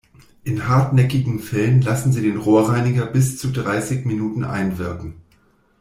In hartnäckigen Fällen lassen Sie den Rohrreiniger bis zu dreißig Minuten einwirken.